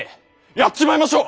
やっちまいましょう！